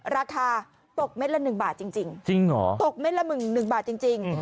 ราคาตกเม็ดละหนึ่งบาทจริงจริงจริงเหรอตกเม็ดละหนึ่งบาทจริงจริง